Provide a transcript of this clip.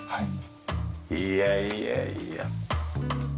いやいやいや。